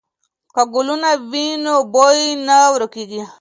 که ګلونه وي نو بوی نه ورکېږي.